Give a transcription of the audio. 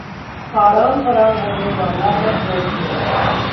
आराम हराम होने वाला है कोर्ट में